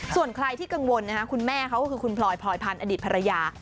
ส่วนใครที่กังวลคุณแม่เขาก็คือคุณพลอยพลอยพันธ์อดีตภรรยา